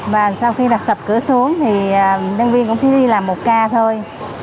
và sau khi đặt sập cửa xuống thì nhân viên cũng chỉ đi làm một ca thôi